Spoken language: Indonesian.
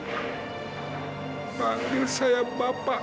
bapak menganggil saya bapak